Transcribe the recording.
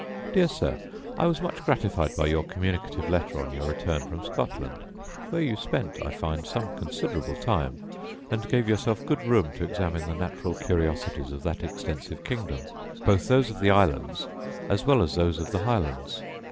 Dear Sir, I was much gratified by your communicative letter on your return from Scotland, where you spent, I find, some considerable time, and gave yourself good room to examine the natural curiosities of that extensive kingdom, both those of the islands, as well as those of the highlands.